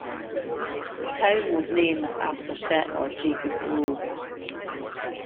The town was named after settler Jacob Low.